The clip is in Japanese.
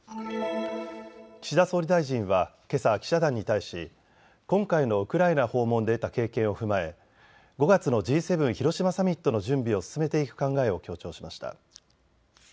岸田総理大臣はけさ記者団に対し今回のウクライナ訪問で得た経験を踏まえ５月のＧ７広島サミットの準備を進めていく考えを強調しました。